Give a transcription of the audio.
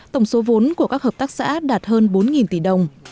tổng số vốn của các hợp tác xã đạt hơn bốn tỷ đồng